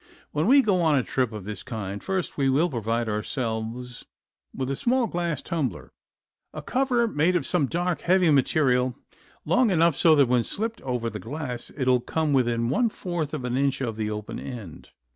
When we go on a trip of this kind first we will provide ourselves with a small glass tumbler; a cover, made of some dark heavy material, long enough so that when slipped over the glass it will come within one fourth of an inch of the open end.